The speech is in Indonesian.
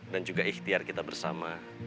dan juga ikhtiar kita bersama